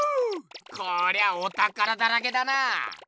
こりゃあおたからだらけだな。